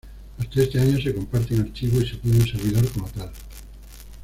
Hasta este año se comparten archivos y se tiene un servidor como tal.